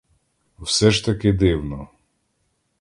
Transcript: Все ж таки дивно.